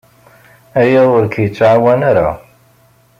Aya ur k-yettɛawan ara.